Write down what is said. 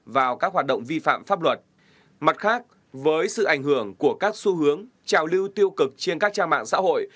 với sự ảnh hưởng của các xu hướng trào lưu tiêu cực trên các trang mạng xã hội